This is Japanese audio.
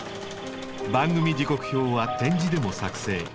番組時刻表は点字でも作成。